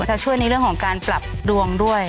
จะช่วยในเรื่องของการปรับดวงด้วย